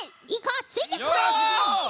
ついてこい！